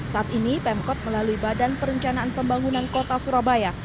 saat ini pemkot melalui badan perencanaan pembangunan kota surabaya